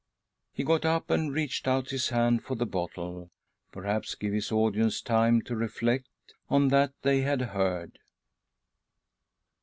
He got up and screeched out his hand for the bottle, perhaps ;> give his audience time to reflect on "."hat they had heard.